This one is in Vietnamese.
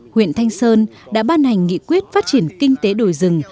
huyện thanh sơn đã ban hành nghị quyết phát triển kinh tế đồi rừng